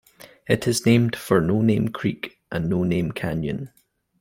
It is named for No Name Creek and No Name Canyon.